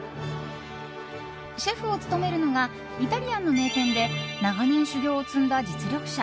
シェフを務めるのがイタリアンの名店で長年、修業を積んだ実力者